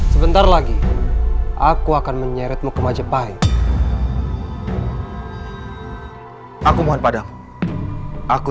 saya dari lapa kain di pasar waringin pitu